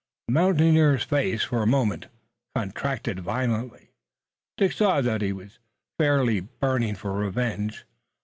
The mountaineer's face for a moment contracted violently. Dick saw that he was fairly burning for revenge.